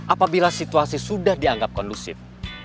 apabila situasi sudah dianggap kondusif